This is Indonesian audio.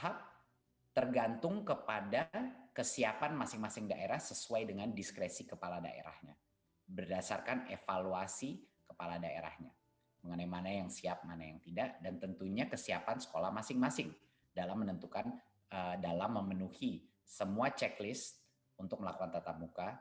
kemudian kesiapan fasilitas layanan kesehatan kesiapan satuan pendidikan dalam memperkenalkan pembelajaran tetap muka